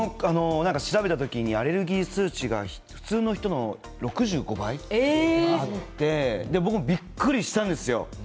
調べた時にアレルギー数値が普通の人の６５倍あってびっくりしたんですよ。